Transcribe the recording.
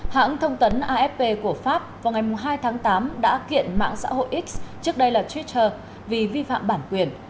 hãng thông tấn afp của pháp vào ngày hai tháng tám đã kiện mạng xã hội x trước đây là twitter vì vi phạm bản quyền